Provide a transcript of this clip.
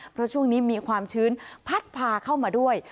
เพราะช่วงนี้มีความชื้นพัดพาเข้ามาด้วย